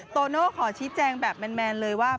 โตโน่ขอชี้แจงแบบแมนเลยว่า